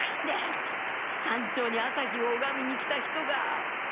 山頂に朝日をおがみに来た人が。